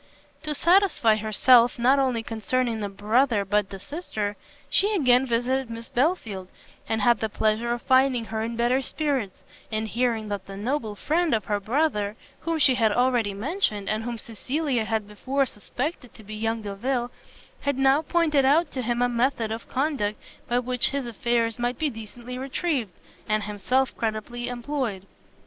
To satisfy herself not only concerning the brother but the sister, she again visited Miss Belfield, and had the pleasure of finding her in better spirits, and hearing that the noble friend of her brother, whom she had already mentioned, and whom Cecilia had before suspected to be young Delvile, had now pointed out to him a method of conduct by which his affairs might be decently retrieved, and himself creditably employed.